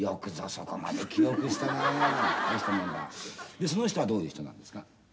でその人はどういう人なんですか？